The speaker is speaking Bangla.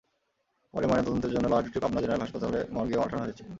পরে ময়নাতদন্তের জন্য লাশ দুটি পাবনা জেনারেল হাসপাতাল মর্গে পাঠানো হয়েছে।